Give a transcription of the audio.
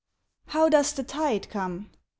How does the tide come ?